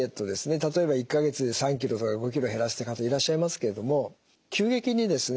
例えば１か月で３キロとか５キロ減らしてる方いらっしゃいますけれども急激にですね